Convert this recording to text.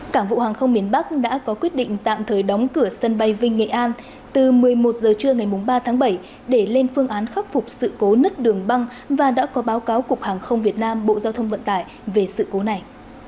cảng vụ hàng không miền bắc đã có quyết định tạm thời đóng cửa sân bay vinh nghệ an từ một mươi một h trưa ngày ba tháng bảy để lên phương án khắc phục sự cố nứt đường băng và đã có báo cáo cục hàng không việt nam bộ giao thông vận tải về sự cố này